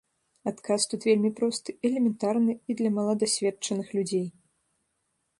Адказ тут вельмі просты, элементарны і для маладасведчаных людзей.